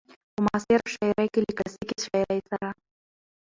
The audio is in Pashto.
په معاصره شاعرۍ کې له کلاسيکې شاعرۍ سره